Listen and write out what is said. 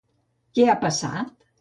Què, què ha passat?